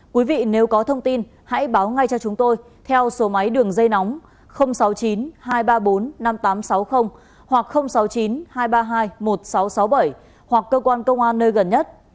quý vị nếu có thông tin hãy báo ngay cho chúng tôi theo số máy đường dây nóng sáu mươi chín hai trăm ba mươi bốn năm nghìn tám trăm sáu mươi hoặc sáu mươi chín hai trăm ba mươi hai một nghìn sáu trăm sáu mươi bảy hoặc cơ quan công an nơi gần nhất